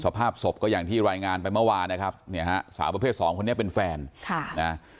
สภาพศพก็อย่างที่รายงานไปเมื่อวานนะครับเนี่ยฮะสาวประเภทสองคนนี้เป็นแฟนค่ะนะ